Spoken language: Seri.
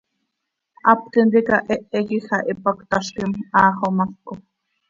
Hap tintica hehe quij ah ipac cötazquim, haa xomaco.